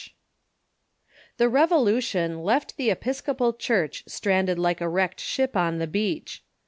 ] The Revolution left the Episcopal Church stranded like a wrecked ship on the beach.